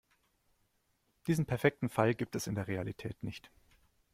Diesen perfekten Fall gibt es in der Realität nicht.